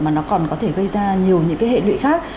mà nó còn có thể gây ra nhiều những cái hệ lụy khác